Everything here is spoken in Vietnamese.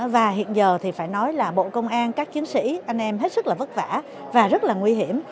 và hiện giờ thì phải nói là bộ công an các chiến sĩ anh em hết sức là vất vả và rất là nguy hiểm